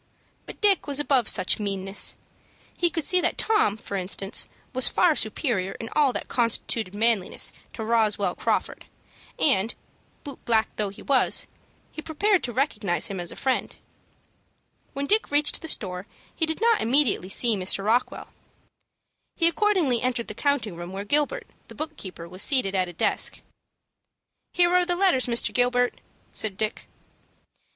But Dick was above such meanness. He could see that Tom, for instance, was far superior in all that constituted manliness to Roswell Crawford, and, boot black though he was, he prepared to recognize him as a friend. When Dick reached the store, he did not immediately see Mr. Rockwell. He accordingly entered the counting room where Gilbert, the book keeper, was seated at a desk. "Here are the letters, Mr. Gilbert," said Dick.